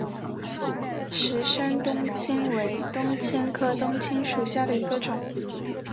石生冬青为冬青科冬青属下的一个种。